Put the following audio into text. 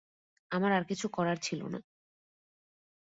আমার আর কিছু করার ছিল না!